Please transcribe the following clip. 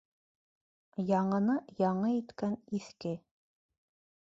Яңыны яңы иткән иҫке.